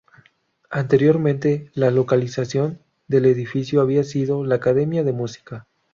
Anteriormente, la localización del edificio había sido la Academia de Música.